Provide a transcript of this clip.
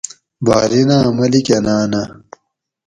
بحریناۤں ملیکاۤناۤنہ